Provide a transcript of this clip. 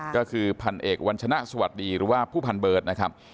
ก็คือพันเอกวัญชนะสวัสดีหรือว่าผู้พันเบิร์ตนะครับ